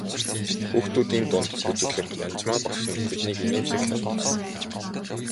Хүүхдүүдийн дунд бүжиглэх Янжмаа багш нь тэднийг инээмсэглэн харна.